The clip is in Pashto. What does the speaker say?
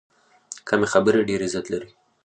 کمې خبرې، ډېر عزت لري.